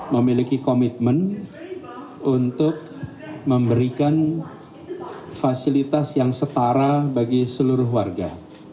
memiliki komitmen untuk memberikan fasilitas yang setara bagi seluruh warga